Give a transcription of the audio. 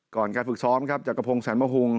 ก่อนการฝึกซ้อมครับจักรพงแสนมะหุง